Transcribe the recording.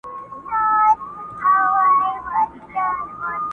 ویل گوره تا مي زوی دئ را وژلی!!